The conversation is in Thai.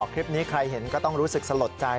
อ๋อคลิปนี้ใครเห็นก็ต้องรู้สึกสะหรับใจ